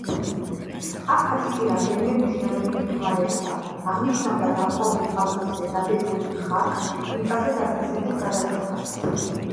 აქაც იგი რამდენიმე მნიშვნელობით იხმარებოდა: აღნიშნავდა დაპყრობილ ხალხებზე დადებულ ხარკს, მიწაზე დაწესებულ გადასახადს.